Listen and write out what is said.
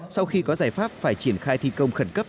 sau khi có giải pháp phải triển khai thi công khẩn cấp